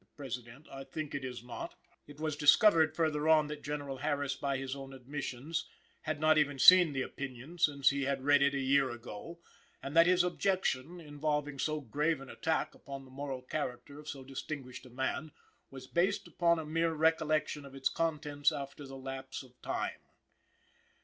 "The President. I think it is not." It was discovered, farther on, that General Harris by his own admissions had not even seen the opinion since he had read it a year ago, and that his objection, involving so grave an attack upon the moral character of so distinguished a man, was based upon a mere recollection of its contents after that lapse of time.